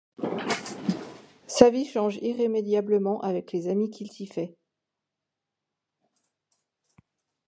Sa vie change irrémédiablement avec les amis qu'il s'y fait.